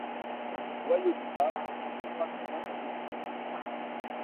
Boyaux du pape ! je ne veux pas qu’on pende la jolie fille !